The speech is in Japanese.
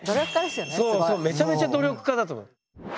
そうそうめちゃめちゃ努力家だと思う。